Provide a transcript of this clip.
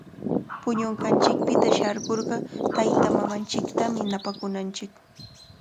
Puñunqanchikpita sharkurqa taytamamanchiktami napakunanchik.